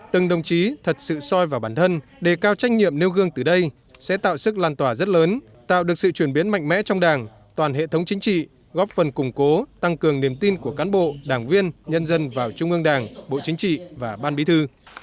từng đồng chí thật sự soi vào bản thân đề cao trách nhiệm nêu gương từ đây sẽ tạo sức lan tỏa rất lớn tạo được sự chuyển biến mạnh mẽ trong đảng toàn hệ thống chính trị góp phần củng cố tăng cường niềm tin của cán bộ đảng viên nhân dân vào trung ương đảng bộ chính trị và ban bí thư